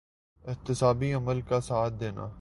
احتسابی عمل کا ساتھ دینا۔